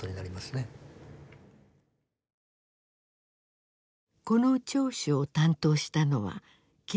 この聴取を担当したのは警部補Ｚ。